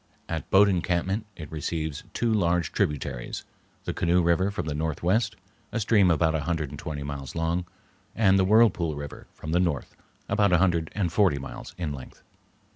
At Boat Encampment it receives two large tributaries, the Canoe River from the northwest, a stream about a hundred and twenty miles long; and the Whirlpool River from the north, about a hundred and forty miles in length.